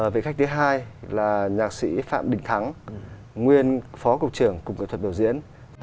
vị khách thứ hai là nhạc sĩ phạm đình thắng nguyên phó cục trưởng cùng cơ thuật biểu diễn